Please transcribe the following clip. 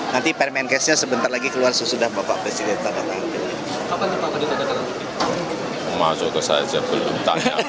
nanti permenkesnya sebentar lagi keluar sesudah bapak presiden tanda tangan